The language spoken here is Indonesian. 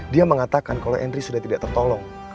dia mengatakan kalau enri sudah tidak tertolong